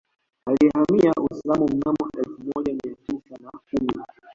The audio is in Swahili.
Aliyehamia Uislamu mnamo elfu moja Mia tisa na kumi